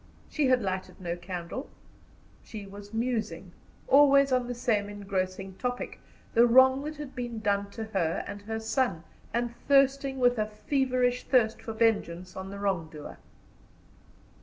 She had lighted no candle. She was musing, always on the same engrossing topic, the wrong that had been done to her and her son, and thirsting with a feverish thirst for vengeance on the wrongdoer.